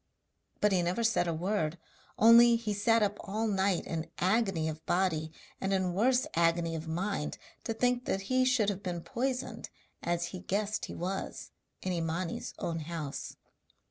But he never said a word, only he sat up all night in agony of body and in worse agony of mind to think that he should have been poisoned, as he guessed he was, in Imani's own house.